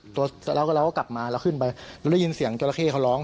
แล้วก็เราก็กลับมาเราขึ้นไปเราได้ยินเสียงจราเข้เขาร้อง